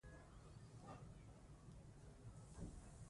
او اوسني تاریخ کي د پښتو ژبې شاعران که لږ نه دي